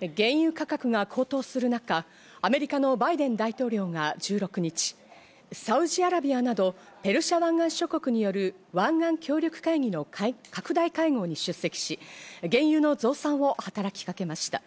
原油価格が高騰する中、アメリカのバイデン大統領が１６日、サウジアラビアなどペルシャ湾岸諸国による湾岸協力会議の拡大会合に出席し、原油の増産を働き掛けました。